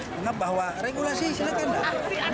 mengab bahwa regulasi silahkan